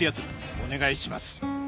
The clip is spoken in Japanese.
お願いします